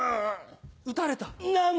撃たれた！